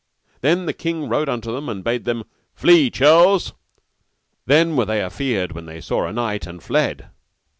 Then the king rode unto them, and bade them: Flee, churls! then were they afeard when they saw a knight, and fled.